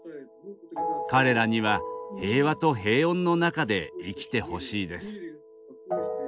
彼らには平和と平穏の中で生きてほしいです。